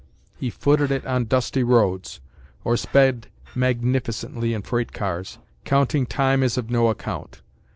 He footed it on dusty roads, or sped magnificently in freight cars, counting time as of no account.